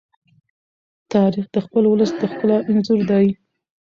تاریخ د خپل ولس د ښکلا انځور دی.